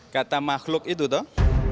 kata makhluk itu toh